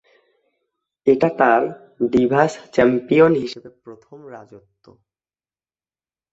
এটা তার divas champion হিসেবে প্রথম রাজত্ব।